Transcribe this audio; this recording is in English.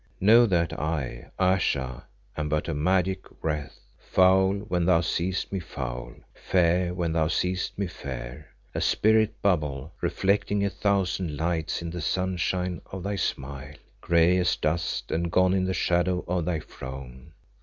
Know that I, Ayesha, am but a magic wraith, foul when thou seest me foul, fair when thou seest me fair; a spirit bubble reflecting a thousand lights in the sunshine of thy smile, grey as dust and gone in the shadow of thy frown.